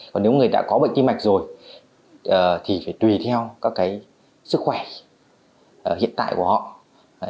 còn nếu người đã có bệnh tim mạch rồi thì phải tùy theo các cái sức khỏe hiện tại của họ